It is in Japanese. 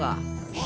え！